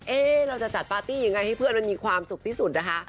เราจะจัดปาร์ตี้ยังไงให้เพื่อนมันมีความสุขที่สุดนะคะ